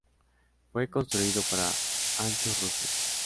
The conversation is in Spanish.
Fue construido para ancho ruso.